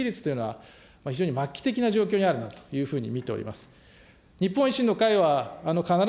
国の財政規律というのは、非常に末期的な状況にあるなというふうに見ております。